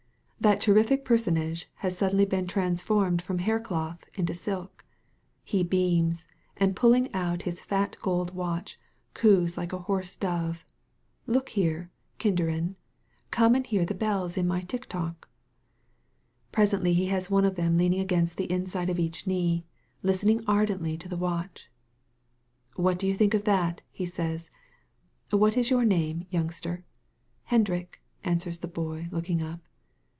That terrific personage has been suddenly trans formed from haircloth into silk. He beams, and pulling out his fat gold watch, coos like a hoarse dove: ''Look here, kinderen, come and hear the bells in my tick tock !" Presently he has one of them leaning against the inside of each knee, listening ardently to the watch. "What do you think of that!" he says. "What is your name, youngster?" "Hendrik," answers the boy, looking up.